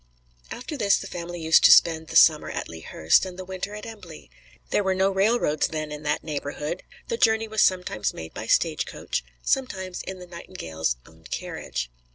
After this the family used to spend the summer at Lea Hurst, and the winter at Embley. There were no railroads then in that neighborhood; the journey was sometimes made by stagecoach, sometimes in the Nightingales' own carriage.